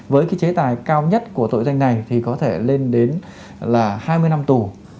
với cái chế tài cao nhất của tội danh này thì có thể lên đến là hai mươi năm tù